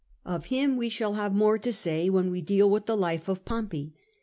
Of him we shall have more to say when we deal with the life of Pompey.